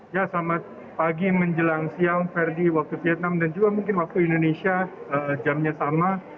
ya selamat pagi menjelang siang ferdi waktu vietnam dan juga mungkin waktu indonesia jamnya sama